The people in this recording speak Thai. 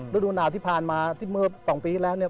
ฤดูหนาวที่ผ่านมาที่เมื่อ๒ปีที่แล้วเนี่ย